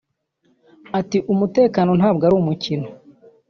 Ati “Umutekano ntabwo ari umukino